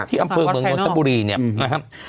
ที่อำเภอเมืองนนทบุรีเนี่ยนะครับ